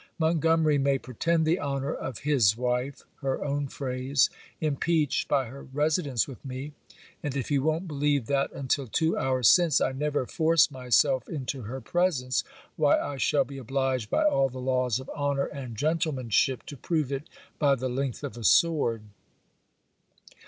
Montgomery may pretend the honour of his wife (her own phrase) impeached by her residence with me, and if he won't believe that until two hours since I never forced myself into her presence, why I shall be obliged by all the laws of honour and gentlemanship to prove it by the length of a sword.